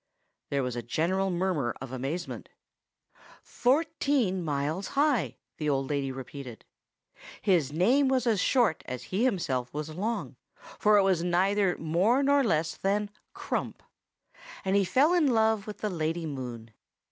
There was a general murmur of amazement. "Fourteen miles high!" the old lady repeated. "His name was as short as he himself was long, for it was neither more nor less than Crump; and he fell in love with the Lady Moon.